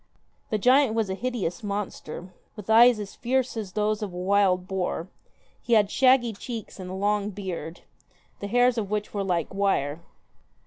The giant was a hideous monster, with eyes as fierce as those of a wild boar; he had shaggy cheeks and a long beard, the hairs of which were like wire.